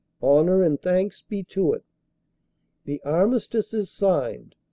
Honor and thanks be to it! "The Armistice is signed.